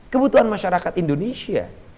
kebutuhan masyarakat indonesia